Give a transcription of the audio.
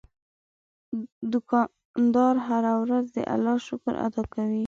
دوکاندار هره ورځ د الله شکر ادا کوي.